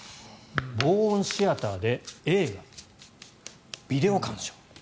防音シアターで映画、ビデオ鑑賞。